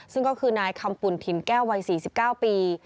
ซึ่งก็คือนายคำปุ่นถิ่นแก้ววัย๔๙ปี